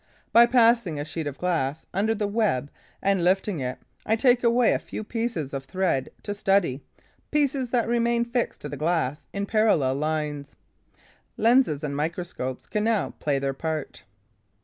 By passing a sheet of glass under the web and lifting it, I take away a few pieces of thread to study, pieces that remain fixed to the glass in parallel lines. Lens and microscope can now play their part.